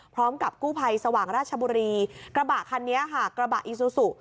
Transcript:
พร้อมกับกู้ภัยสว่างราชบุรีกระบะคันนี้ค่ะกระบะอีซูซู